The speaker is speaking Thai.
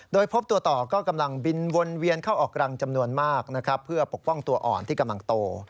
โดยพบตัวต่อก็กำลังบินวนเวียนเข้าออกรังจำนวนมากนะครับเพื่อปกป้องตัวอ่อนที่กำลังโต